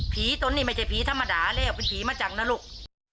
ผีต้นนี่ไม่ใช่ผีธรรมดาเรียกว่าเป็นผีมาจังนะลูก